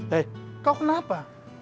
hei kau kenapa